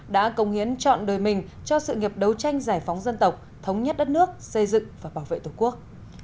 đã công hiến chọn đời mình cho sự nghiệp đấu tranh giải phóng dân tộc thống nhất đất nước xây dựng và bảo vệ tổ quốc